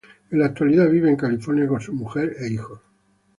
En la actualidad vive en California con su mujer e hijos.